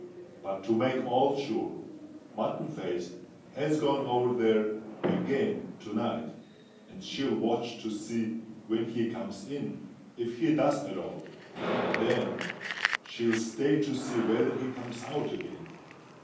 But to make all sure, Mutton Face has gone over there again to night; and she'll watch to see when he comes in, if he does at all—and then she'll stay to see whether he comes out again.